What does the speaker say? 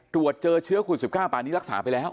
ตรวจเจอเชื้อโควิด๑๙ป่านนี้รักษาไปแล้ว